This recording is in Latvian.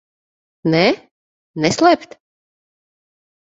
Nē? Neslēpt?